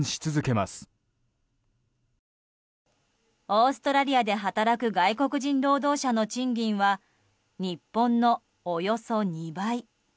オーストラリアで働く外国人労働者の賃金は日本のおよそ２倍。